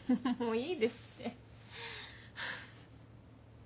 もういいですって。